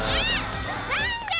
なんで！